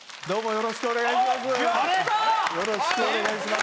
よろしくお願いします。